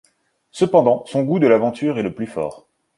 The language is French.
Cependant son goût de l'aventure est le plus fort.